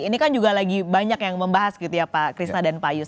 ini kan juga lagi banyak yang membahas gitu ya pak krisna dan pak yus